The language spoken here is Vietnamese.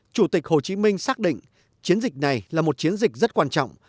chủ tịch hồ chí minh xác định chiến dịch này là một chiến dịch rất quan trọng